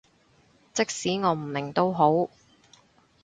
即使我唔明都好